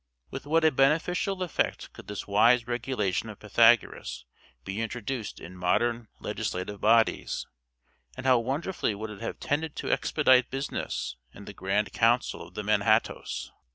With what a beneficial effect could this wise regulation of Pythagoras be introduced in modern legislative bodies and how wonderfully would it have tended to expedite business in the grand council of the Manhattoes.